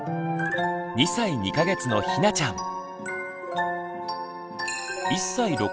２歳２か月のひなちゃん。